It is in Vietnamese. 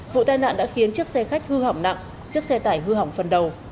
vụ tai nạn đã khiến chiếc xe khách hư hỏng nặng chiếc xe tải hư hỏng phần đầu